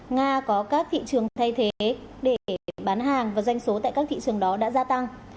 nga có các thị trường thay thế để bán hàng và doanh số tại các thị trường đó đã gia tăng